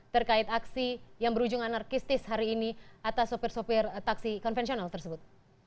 terkait aksi yang berujung anarkistis hari ini atas sopir sopir taksi konvensional tersebut